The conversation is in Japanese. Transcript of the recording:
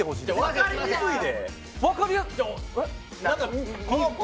分かりにくいで。